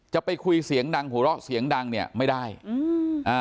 จะไปคุยเสียงดังหัวเราะเสียงดังเนี้ยไม่ได้อืมอ่า